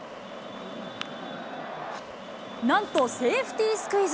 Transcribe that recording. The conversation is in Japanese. なんとセーフティスクイズ。